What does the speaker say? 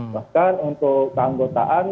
bahkan untuk keanggotaan